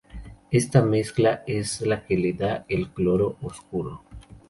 Esta melaza es la que le da el color oscuro.